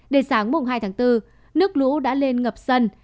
đến sáng mùng hai tháng bốn nước lũ đã lên ngập sân